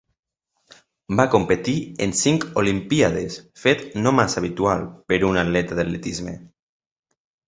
Va competir en cinc Olimpíades, fet no massa habitual per a un atleta d'atletisme.